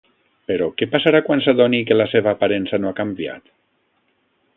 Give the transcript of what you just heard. Però, què passarà quan s’adoni que la seva aparença no ha canviat?